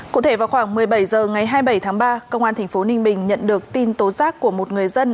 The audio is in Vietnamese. cụ thể vào khoảng một mươi bảy h ngày hai mươi bảy tháng ba công an tp ninh bình nhận được tin tố giác của một người dân